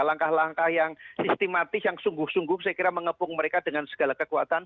langkah langkah yang sistematis yang sungguh sungguh saya kira mengepung mereka dengan segala kekuatan